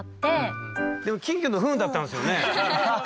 でも金魚のフンだったんですよね？